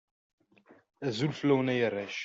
Azul fell-awen a arrac.